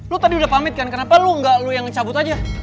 lo tadi udah pamit kan kenapa lo gak lu yang cabut aja